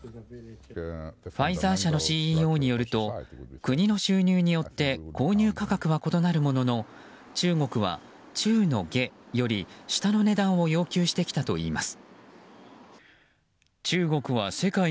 ファイザー社のＣＥＯによると国の収入によって購入価格は異なるものの中国は中の下より下の値段を要求してきたといいます。